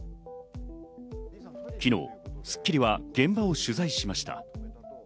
昨日スッキリは現場を取材しました。